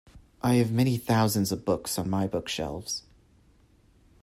I have many thousands of books on my bookshelves.